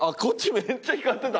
めっちゃ光ってた。